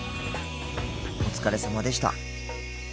お疲れさまでした。